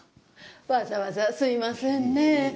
わざわざすいませんねぇ。